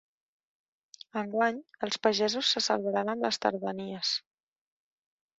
Enguany els pagesos se salvaran amb les tardanies.